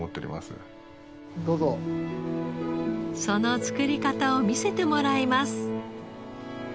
その作り方を見せてもらいます。